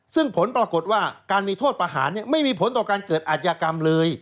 ซึ่งผลปรากฏว่าการมีโทษประหารไม่มีผลต่อการเกิดอาชญากรรมเลย